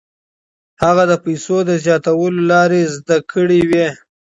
هغې د پیسو د زیاتولو لارې زده کړې وې.